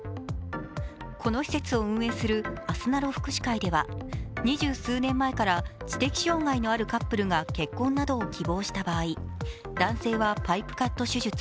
この施設を運営するあすなろ福祉会では二十数年前から知的障害のあるカップルが結婚などを希望した場合男性はパイプカット手術